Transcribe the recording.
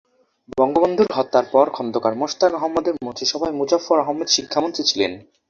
বঙ্গবন্ধুর হত্যার পর খন্দকার মোশতাক আহমদের মন্ত্রিসভায় মুজাফফর আহমদ শিক্ষামন্ত্রী ছিলেন।